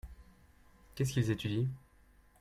Qu'est-ce qu'ils étudient ?